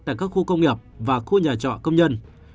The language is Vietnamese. tại các khu công nghiệp và khu nhà trọ công nhân